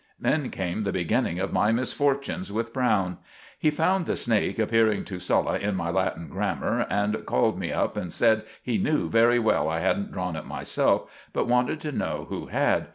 Then came the beginning of my misforchunes with Browne. He found the snake appeering to Sulla in my Latin grammar, and called me up and said he knew very well I hadn't drawn it myself, but wanted to know who had.